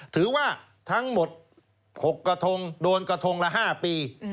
ถือว่าทั้งหมด๖กระทงโดนกระทงละ๕ปี